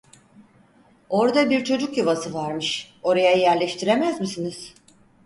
Orda bir çocuk yuvası varmış. Oraya yerleştiremez misiniz?